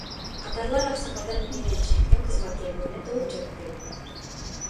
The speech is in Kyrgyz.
Катарлар аксакалдар менен элчиликтин кызматкерлерине толуп жатты.